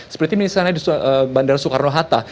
seperti misalnya di bandara soekarno hatta